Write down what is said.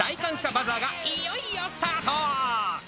バザーがいよいよスタート。